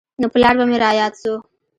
نو پلار به مې راياد سو.